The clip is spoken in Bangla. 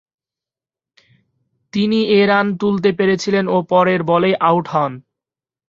তিনি এ রান তুলতে পেরেছিলেন ও পরের বলেই আউট হন।